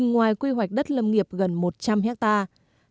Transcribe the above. ngoài quy hoạch đất lâm nghiệp gần một trăm linh hectare